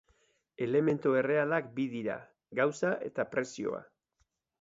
Elementu errealak bi dira: gauza eta prezioa.